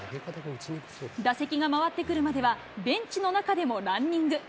打席が回ってくるまでは、ベンチの中でもランニング。